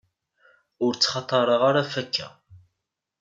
Ur ttxaṭareɣ ara ɣef akka.